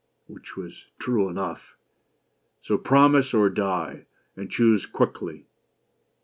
(which was true enough). So promise, or die! and choose quickly